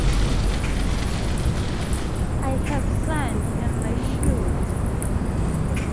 I have sand in my shoes!